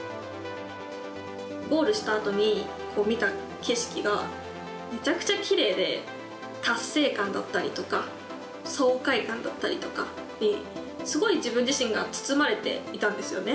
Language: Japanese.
ゴールしたあとに見た景色がめちゃくちゃきれいで、達成感だったりとか、爽快感だったりとかにすごい自分自身が包まれていたんですよね。